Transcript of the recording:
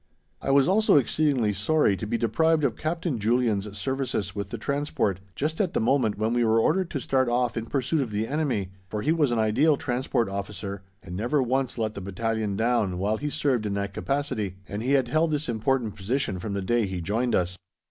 I was also exceedingly sorry to be deprived of Captain Julian's services with the transport, just at the moment when we were ordered to start off in pursuit of the enemy, for he was an ideal Transport Officer, and never once let the battalion down while he served in that capacity, and he had held this important position from the day he joined us.